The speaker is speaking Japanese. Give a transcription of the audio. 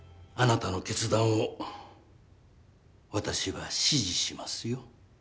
あなたの決断を私は支持しますよ。